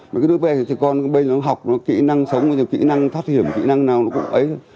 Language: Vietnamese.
mấy đứa bé con bên đó học kỹ năng sống kỹ năng thất hiểm kỹ năng nào cũng ấy